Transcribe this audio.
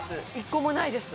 １個もないです